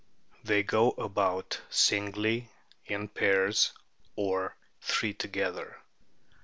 They go about singly, in pairs, or three together.